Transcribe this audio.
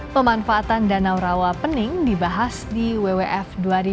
pemanfaatan danau rawapening dibahas di wwf dua ribu dua puluh